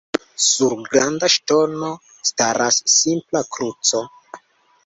Sur Granda ŝtono staras simpla kruco.